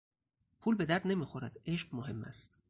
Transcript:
پول به درد نمیخورد، عشق مهم است.